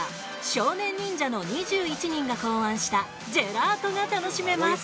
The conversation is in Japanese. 少年忍者の２１人が考案したジェラートが楽しめます。